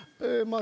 あ